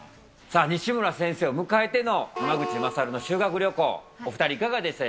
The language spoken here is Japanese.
さあ、西村先生を迎えての濱口優のシュー学旅行、お２人、いかがでした